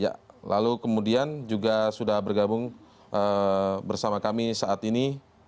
ya lalu kemudian juga sudah bergabung bersama kami saat ini